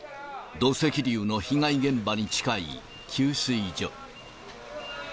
土石流の被害現場に近い給水所。